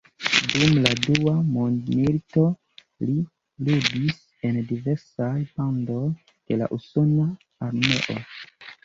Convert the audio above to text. Dum la Dua Mondmilito li ludis en diversaj bandoj de la usona armeo.